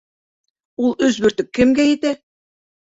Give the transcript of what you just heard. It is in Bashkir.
Ул өс бөртөк кемгә етә?